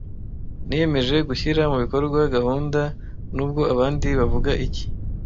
Niyemeje gushyira mubikorwa gahunda nubwo abandi bavuga iki.